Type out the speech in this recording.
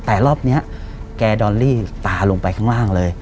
แต่รอบนี้แกดอลลี่ตาลงไปข้างล่างเลย